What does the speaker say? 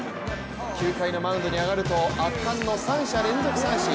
９回のマウンドに上がると圧巻の３者連続三振。